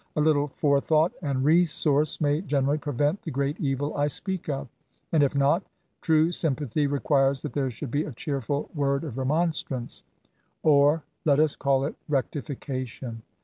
A little forethought and resource may generally prevent the great evil I speak of: and if not, true sympathy requires that there should be a cheerful word of remonstrance—or 42 ESSAYS. let us call it rectification.